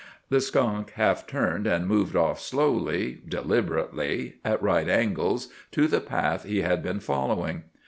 The skunk half turned and moved off slowly, deliberately, at right angles to the path he had been following.